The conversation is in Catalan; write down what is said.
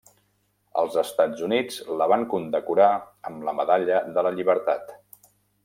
Els Estats Units la van condecorar amb la Medalla de la Llibertat.